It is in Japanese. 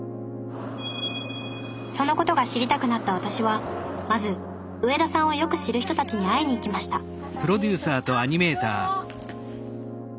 そのことが知りたくなった私はまず上田さんをよく知る人たちに会いに行きました畑芽育と申します。